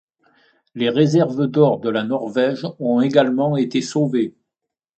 Les réserves d'or de la Norvège ont également été sauvées.